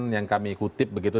yang kami kutip begitu